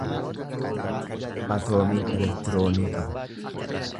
Atoomiin elektiroonii qaba.